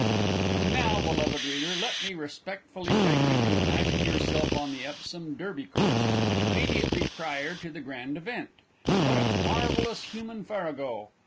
And now, beloved reader, let me respectfully beg you to imagine yourself on the Epsom Derby Course immediately prior to the grand event. What a marvellous human farrago!